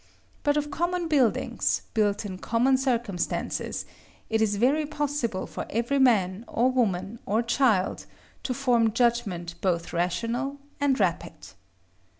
But of common buildings, built in common circumstances, it is very possible for every man, or woman, or child, to form judgment both rational and rapid.